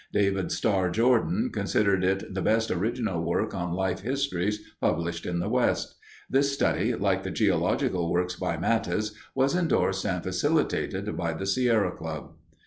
David Starr Jordan considered it the best original work on life histories published in the West. This study, like the geological work by Matthes, was endorsed and facilitated by the Sierra Club.